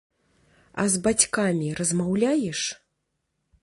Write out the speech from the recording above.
А з бацькамі размаўляеш?